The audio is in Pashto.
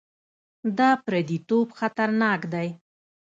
دا پرديتوب خطرناک دی.